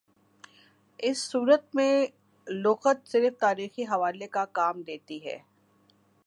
اس صورت میں لغت صرف تاریخی حوالے کا کام دیتی ہے۔